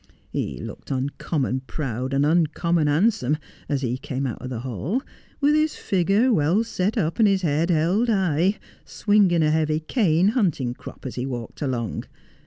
He looked uncommon proud and uncommon handsome as he came out of the hall, with his figure well set up, and his head held high, swinging a heavy cane hunting crop as he walked along.